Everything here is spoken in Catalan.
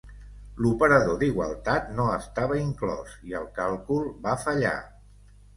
L'operador d'igualtat no estava inclòs, i el càlcul va fallar.